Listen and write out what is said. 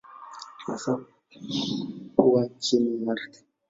Hasa huwa chini ya ardhi.